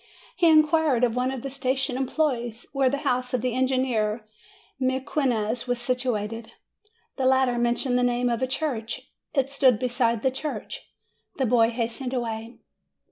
He inquired of one of the station employees where the house of the en gineer Mequinez was situated. The latter mentioned the name of a church; it stood beside the church. The boy hastened away.